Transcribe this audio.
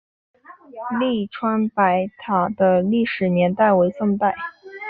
栗川白塔的历史年代为宋代。